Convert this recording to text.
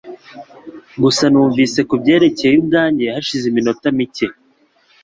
Gusa numvise kubyerekeye ubwanjye hashize iminota mike